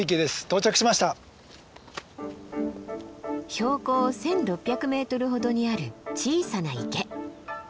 標高１，６００ｍほどにある小さな池。